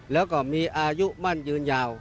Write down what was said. แล้วก็มีอายุมั่นยืนยาว